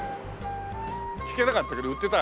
弾けなかったけど売ってた。